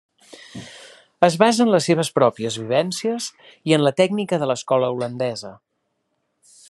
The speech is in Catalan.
Es basa en les seues pròpies vivències i en la tècnica de l'escola holandesa.